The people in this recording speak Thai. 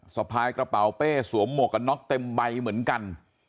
สะพายกระเป๋าเป้สวมหมวกกันน็อกเต็มใบเหมือนกัน